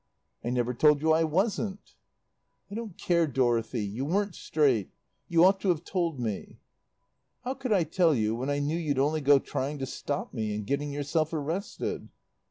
"I never told you I wasn't." "I don't care, Dorothy; you weren't straight. You ought to have told me." "How could I tell you when I knew you'd only go trying to stop me and getting yourself arrested."